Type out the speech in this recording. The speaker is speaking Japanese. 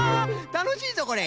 たのしいぞこれ。